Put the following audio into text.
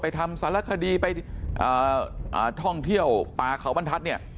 ทำสารคดีไปท่องเที่ยวป่าเขาบรรทัศน์เนี่ย